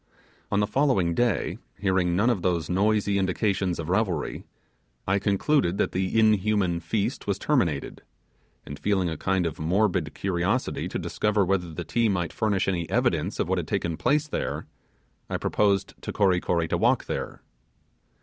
On the following day, hearing none of those noisy indications of revelry, I concluded that the inhuman feast was terminated; and feeling a kind of morbid curiosity to discover whether the Ti might furnish any evidence of what had taken place there, I proposed to Kory Kory to walk there.